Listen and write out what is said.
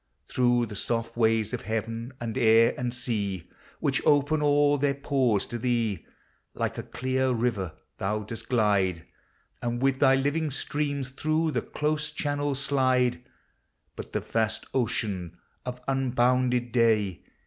Through the soft ways of heaven, and air, and sea, Which open all their pores to thee, Like a clear river thou dost glide, And with thy living stream through the close channels slide. But the vast ocean of unbounded day.